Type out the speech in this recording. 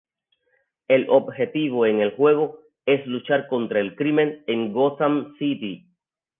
El objetivo en el juego es luchar contra el crimen en Gotham City.